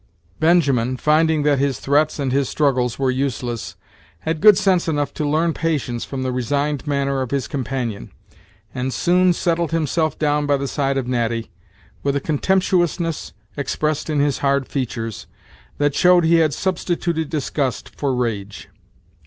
Benjamin, finding that his threats and his struggles were useless, had good sense enough to learn patience from the resigned manner of his companion, and soon settled himself down by the side of Natty, with a contemptuousness expressed in his hard features, that showed he had substituted disgust for rage.